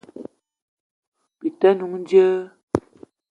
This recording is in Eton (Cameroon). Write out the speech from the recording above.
Bi te n'noung djeu?